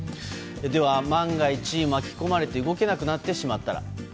では、万が一、巻き込まれて動けなくなってしまったら。